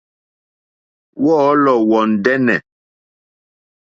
Wɔ̌lɔ̀ wɔ̀ ndɛ́nɛ̀.